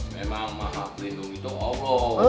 memang maha pelindungi untuk allah